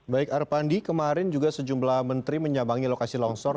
baik arpandi kemarin juga sejumlah menteri menyabangi lokasi longsor